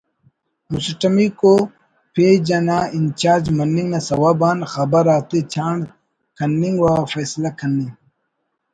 مسٹمیکو پیج انا incharge morning نا سوب آن خبر آتے چانڑ کننگ و فیصلہ کننگ